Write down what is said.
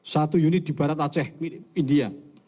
satu unit di barat aceh india